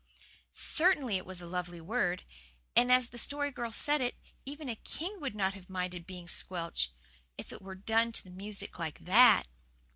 Certainly it was a lovely word, as the Story Girl said it. Even a king would not have minded being squelched, if it were done to music like that.